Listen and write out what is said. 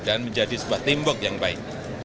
dan menjadi sebuah timbuk yang baik